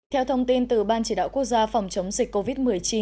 theo thông tin từ ban chỉ đạo quốc gia phòng chống dịch covid một mươi chín